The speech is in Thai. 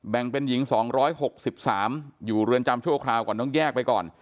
เป็นหญิง๒๖๓อยู่เรือนจำชั่วคราวก่อนต้องแยกไปก่อน